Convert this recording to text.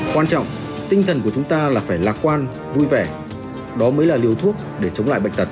quan trọng tinh thần của chúng ta là phải lạc quan vui vẻ đó mới là liều thuốc để chống lại bệnh tật